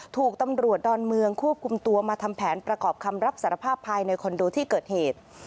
ถูกตำรวจดอนเมืองควบคุมตัวมาทำแผนประกอบคำรับสารภาพภายในคอนโดที่เกิดเหตุ